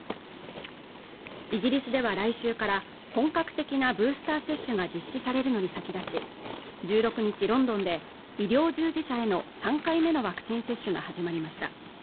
イギリスでは来週から本格的なブースター接種が実施されるのに先立ち１６日ロンドンで医療従事者への３回目のワクチン接種が始まりました